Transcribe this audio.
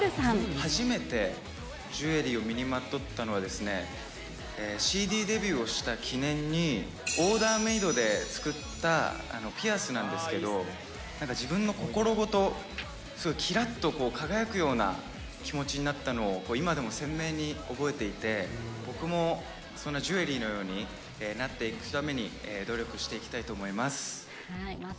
初めてジュエリーを身にまとったのはですね、ＣＤデビューをした記念に、オーダーメードで作ったピアスなんですけど、なんか、自分の心ごときらっと輝くような気持ちになったのを今でも鮮明に覚えていて、僕もそんなジュエリーのようになっていくために、努力していきたいと思います。